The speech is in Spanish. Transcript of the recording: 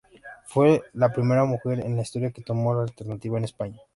Fue la primera mujer en la historia que tomó la alternativa en España.